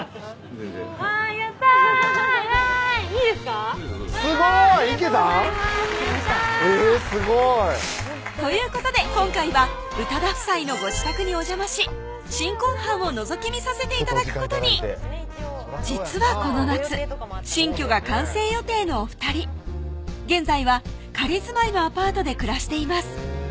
どうぞどうぞありがとうございますやった！ということで今回は歌田夫妻のご自宅にお邪魔し新婚飯をのぞき見させて頂くことに実はこの夏新居が完成予定のお２人現在は仮住まいのアパートで暮らしています